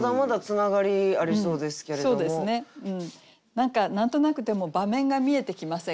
何か何となくでも場面が見えてきませんか？